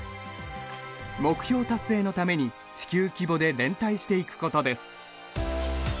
目標達成のために地球規模で連帯していくことです。